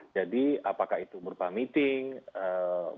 jadi apakah itu berupa meeting berupa report